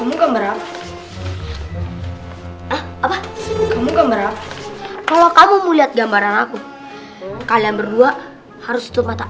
kamu gambaran apa kamu gambaran kalau kamu mau lihat gambaran aku kalian berdua harus